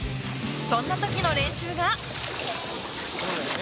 そんな時の練習が。